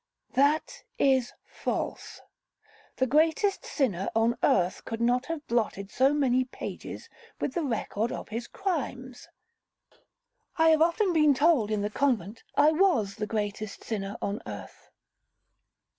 'That is false; the greatest sinner on earth could not have blotted so many pages with the record of his crimes.' 'I have often been told in the convent, I was the greatest sinner on earth.'